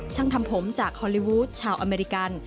ช่างทำผมจากฮอลลีวูดชาวอเมริกัน